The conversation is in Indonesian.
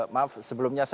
maaf sebelumnya saya